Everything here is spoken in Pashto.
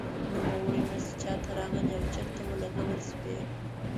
نوموړې مرستې چا ته راغلې او چیرته ولګول شوې.